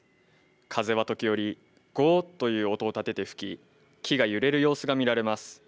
風は時折、ゴーッという音を立てて吹き木が揺れる様子が見られます。